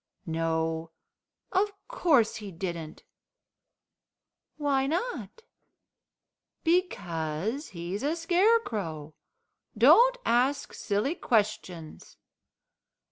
"No, of course he didn't." "Why not?" "Because he's a Scarecrow. Don't ask silly questions."